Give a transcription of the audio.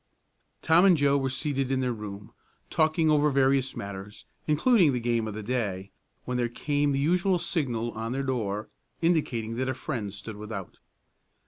Tom and Joe were seated in their room, talking over various matters, including the game of the day, when there came the usual signal on their door, indicating that a friend stood without.